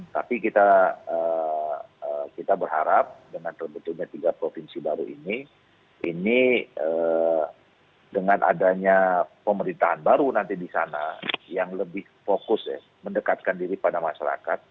tapi kita berharap dengan terbentuknya tiga provinsi baru ini ini dengan adanya pemerintahan baru nanti di sana yang lebih fokus mendekatkan diri pada masyarakat